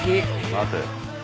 待て。